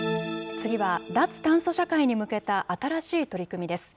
次は、脱炭素社会に向けた新しい取り組みです。